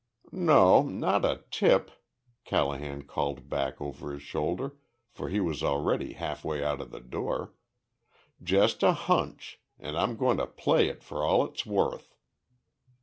"No, not a tip," Callahan called back over his shoulder, for he was already halfway out of the door; "just a hunch and I'm going to play it for all it's worth!"